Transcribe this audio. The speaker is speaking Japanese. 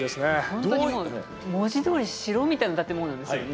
ホントにもう文字どおり城みたいな建物ですよね。